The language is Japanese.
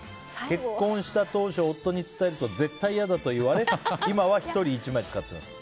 結婚した当初夫に伝えると絶対嫌だと言われ今は１人１枚使っています。